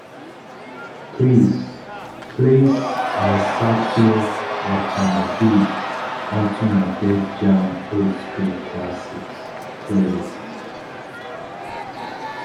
Please place Misato Watanabe onto my Def Jam Old School Classics playlist.